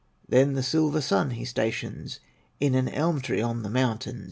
Then the silver Sun he stations In an elm tree on the mountain.